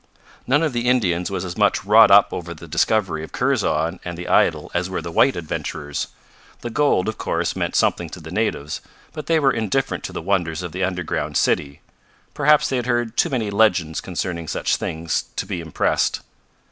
None of the Indians was as much wrought up over the discovery of Kurzon and the idol as were the white adventurers. The gold, of course, meant something to the natives, but they were indifferent to the wonders of the underground city. Perhaps they had heard too many legends concerning such things to be impressed.